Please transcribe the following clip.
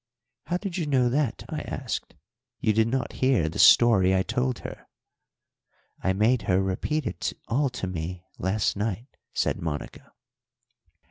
"How did you know that?" I asked. "You did not hear the story I told her." "I made her repeat it all to me last night," said Monica.